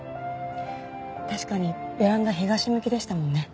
確かにベランダ東向きでしたもんね。